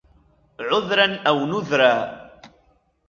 عذرا أو نذرا